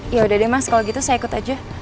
yaudah deh mas kalo gitu saya ikut aja